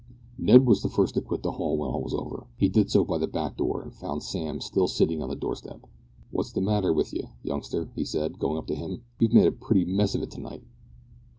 Ned was the first to quit the hall when all was over. He did so by the back door, and found Sam still sitting on the door step. "What's the matter with ye, youngster?" he said, going up to him. "You've made a pretty mess of it to night."